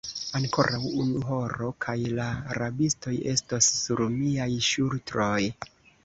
Ankoraŭ unu horo, kaj la rabistoj estos sur miaj ŝultroj.